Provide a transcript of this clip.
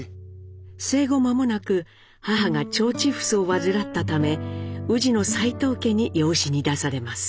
生後まもなく母が腸チフスを患ったため宇治の齋藤家に養子に出されます。